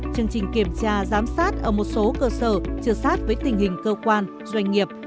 chương trình kiểm tra giám sát ở một số cơ sở chưa sát với tình hình cơ quan doanh nghiệp